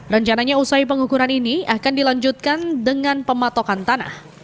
rencananya usai pengukuran ini akan dilanjutkan dengan pematokan tanah